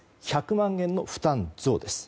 １００万円の負担増です。